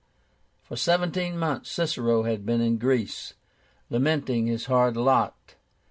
For seventeen months Cicero had been in Greece, lamenting his hard lot.